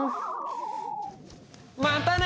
またね！